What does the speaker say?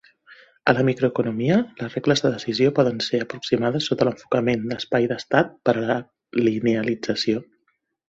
A la microeconomia, les regles de decisió poden ser aproximades sota l'enfocament d'espai d'estat per a la linealització.